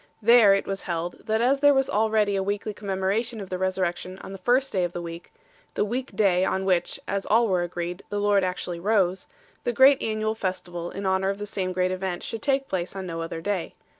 There it was held, that as there was already a weekly commemoration of the Resur rection on the first day of the week the week day on which, as all were agreed, the Lord actually rose the great annual festival in honour of the same great event should take place on no other day.